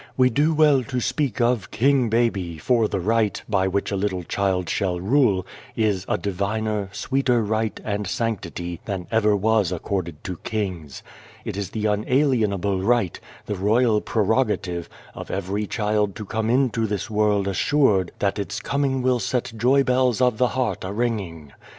We do well to speak of ( King Baby,' for the right, by which a little child shall rule, is a diviner, sweeter right and sanctity than ever was accorded to kings. It is the unalienable right, the royal prerogative, of every child to come into this world assured that its coming will set joybells of the heart a ringing.